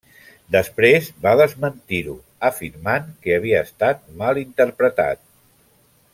Després va desmentir-ho afirmant que havia estat mal interpretat.